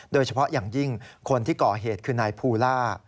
โดยเฉพาะอย่างยิ่งคนที่ก่อเหตุคือนายภูล่า